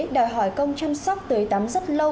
đòi hỏi công chăm sóc tới tắm rất lâu